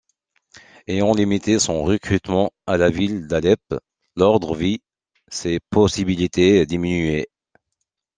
Ayant limité son recrutement à la ville d'Alep, l'ordre vit ses possibilités diminuées.